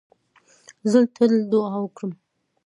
زه تل دؤعا کوم.